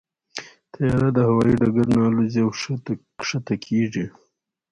طیاره د هوايي ډګر نه الوزي او کښته کېږي.